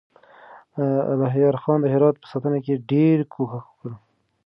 الهيار خان د هرات په ساتنه کې ډېر کوښښ وکړ.